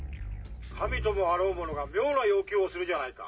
神ともあろうものが妙な要求をするじゃないか。